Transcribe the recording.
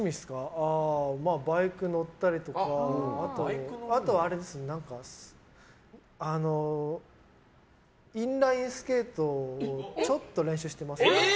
バイク乗ったりとかあとは、インラインスケートをちょっと練習してます。